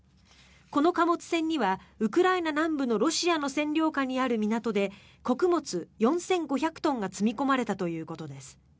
この貨物船にはウクライナ南部のロシアの占領下にある港で穀物４５００トンが積み込まれたということです。